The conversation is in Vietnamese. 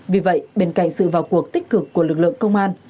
vì vậy bên cạnh sự vào cuộc tích cực của lực lượng công an